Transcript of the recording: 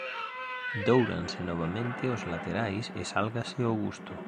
Dóuranse novamente os laterais e sálgase ao gusto.